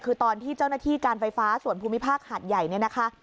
คือตอนที่เจ้าหน้าที่การไฟฟ้าส่วนภูมิภาคหาดใหญ่เนี่ยนะคะ